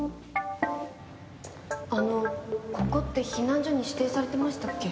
あのここって避難所に指定されてましたっけ？